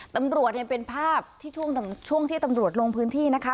ตำรวจเนี่ยเป็นภาพที่ช่วงที่ตำรวจลงพื้นที่นะคะ